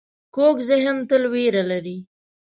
کوږ ذهن تل وېره لري